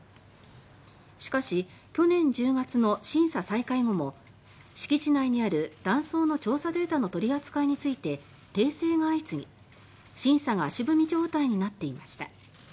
しかし去年１０月の審査再開後も敷地内にある断層の調査データの取り扱いについて訂正が相次ぎ審査が足踏み状態になっていました。